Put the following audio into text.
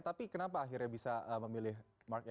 tapi kenapa akhirnya bisa memilih mark ai